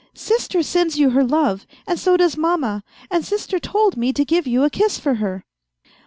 " Sister sends you her love, and so does Mamma, and Sister told me to give you a kiss for her."